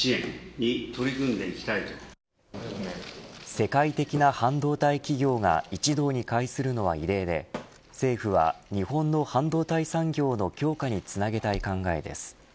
世界的な半導体企業が一堂に会するのは異例で政府は日本の半導体産業の強化につなげたい考えです。